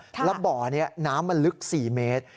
แล้วบ่อนี้น้ำมันลึก๔เมตร